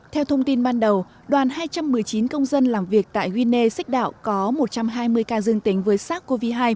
theo thông tin ban đầu đoàn hai trăm một mươi chín công dân làm việc tại guinea xích đạo có một trăm hai mươi ca dương tính với sars cov hai